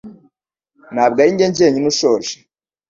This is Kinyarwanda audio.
Ntabwo ari njye jyenyine ushonje